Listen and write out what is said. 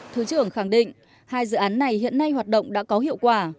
thứ trưởng khẳng định hai dự án này hiện nay hoạt động đã có hiệu quả